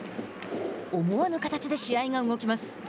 思わぬ形で試合が動きます。